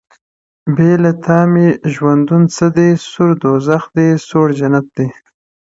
بېله تا مي ژوندون څه دی سور دوزخ دی؛ سوړ جنت دی؛